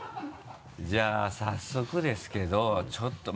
じゃあ早速ですけどちょっと。